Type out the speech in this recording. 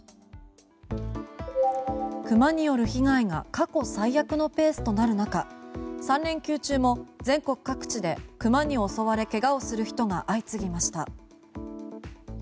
熊による被害が過去最悪のペースとなる中３連休中も全国各地で熊に襲われ怪我をする人が相次ぎました。